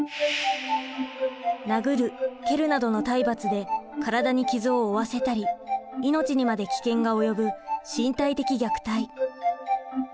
殴る蹴るなどの体罰で身体に傷を負わせたり命にまで危険が及ぶ身体的虐待。